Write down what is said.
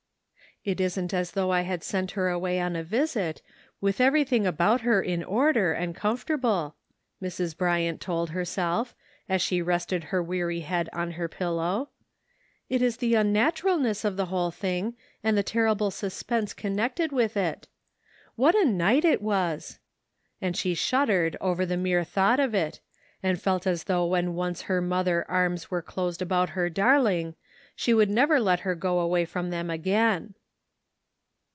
" It isn't as though I had sent her away on a visit, with everything about her in order and comfortable," Mrs. Bryant told herself, as she rested her weary head on her pillow ;" it is the unnaturalness of the whole thing, and the terri ble suspense connected with it. What a night it was!" and she shuddered over the mere thought of it, and felt as though when once her mother arras were closed about her darling, she could never let her go away from them again.